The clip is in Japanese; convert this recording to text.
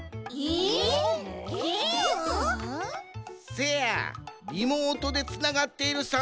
せやリモートでつながっている３